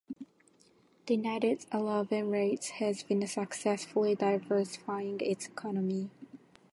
The United Arab Emirates has been successfully diversifying its economy.